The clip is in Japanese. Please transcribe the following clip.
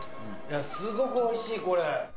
すごくおいしい、これ。